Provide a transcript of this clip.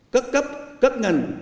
các cấp các ngành